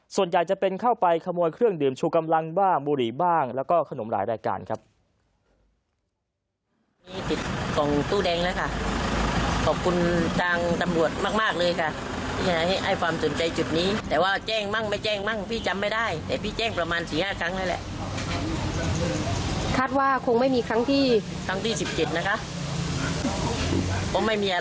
ส่วนใหญ่จะเป็นเข้าไปขโมยเครื่องดื่มชูกำลังบ้างบุหรี่บ้างแล้วก็ขนมหลายรายการครับ